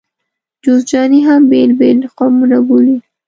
جوزجاني هم بېل بېل قومونه بولي.